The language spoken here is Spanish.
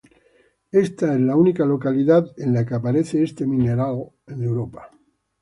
Esta es la única localidad en la que aparece este mineral en Europa.